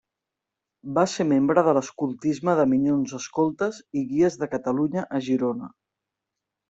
Va ser membre de l'escoltisme de Minyons Escoltes i Guies de Catalunya a Girona.